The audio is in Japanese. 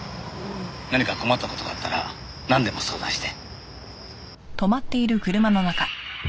何か困った事があったらなんでも相談して。